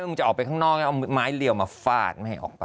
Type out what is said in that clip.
แล้วก็จะออกไปข้างนอกไม้เหลวมาฟาดไม่ให้ออกไป